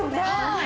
はい！